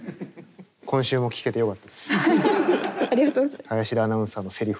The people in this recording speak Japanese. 今週も聞けてよかったです。